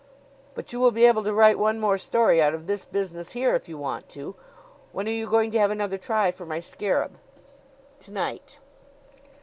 But you will be able to write one more story out of this business here, if you want to. When are you going to have another try for my scarab?" "To night."